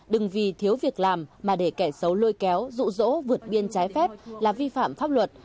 đừng vì thiếu việc làm mà để kẻ xấu lôi kéo rụ rỗ vượt biên trái phép là vi phạm pháp luật